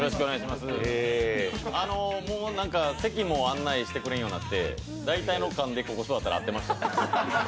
もうなんか、席も案内してくれないようになって、大体の勘でここ座ったら合ってましたね。